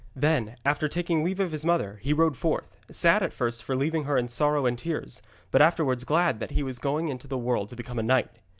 Then, after taking leave of his mother, he rode forth, sad at first for leaving her in sorrow and tears, but afterwards glad that now he was going into the world to become a knight.